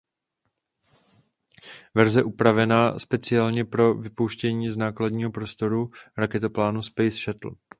Verze upravená speciálně pro vypouštění z nákladního prostoru raketoplánu Space Shuttle.